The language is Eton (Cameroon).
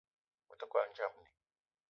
Me te kwal ndjamni